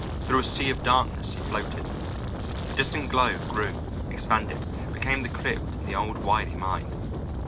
Through a sea of darkness he floated. A distant glow grew, expanded, became the crypt in the old Wiley mine.